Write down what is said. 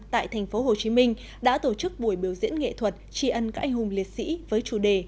tại thành phố hồ chí minh đã tổ chức buổi biểu diễn nghệ thuật tri ân các anh hùng liệt sĩ với chủ đề